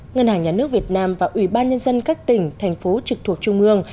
ngân hàng nhà nước việt nam và ủy ban nhân dân các tỉnh thành phố trực thuộc trung ương